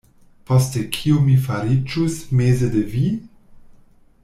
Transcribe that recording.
Poste kio mi fariĝus meze de vi?